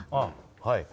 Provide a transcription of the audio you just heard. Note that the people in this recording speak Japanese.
はい。